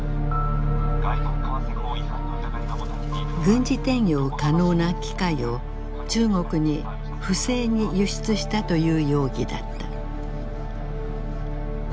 軍事転用可能な機械を中国に不正に輸出したという容疑だった。